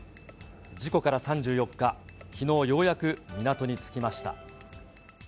事故から３４日、きのう、ようやく港に着きました。